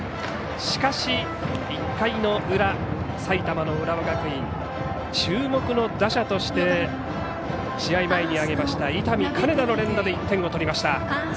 しかし、１回の裏埼玉の浦和学院注目の打者として試合前に挙げました伊丹、金田の連打で１点を取りました。